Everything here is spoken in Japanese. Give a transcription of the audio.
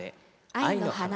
「愛の花」。